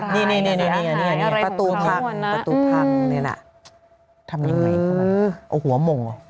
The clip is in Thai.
นี่นี่นี่นี่นี่ประตูพังประตูพังนี่น่ะทำยังไงเอาหัวมง